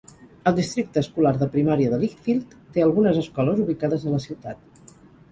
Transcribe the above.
El Districte escolar de primària de Litchfield té algunes escoles ubicades a la ciutat.